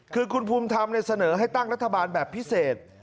คือคุณภูมิธรรมเสนอให้ตั้งรัฐบาลแบบพิเศษ